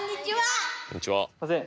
すみません。